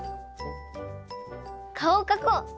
かおをかこう！